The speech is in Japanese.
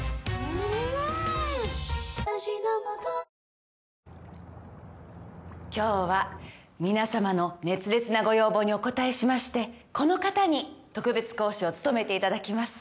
ポリグリップ今日は皆様の熱烈なご要望にお応えしましてこの方に特別講師を務めて頂きます。